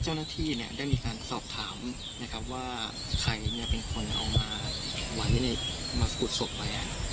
เจ้าหน้าที่ได้มีการสอบถามนะครับว่าใครเป็นคนเอามาไว้ในมากุดศพไว้